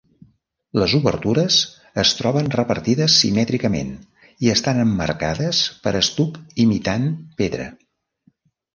Les obertures es troben repartides simètricament i estan emmarcades per estuc imitant pedra.